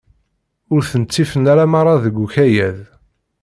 Ur ten-ṭṭifen ara merra deg ukayad.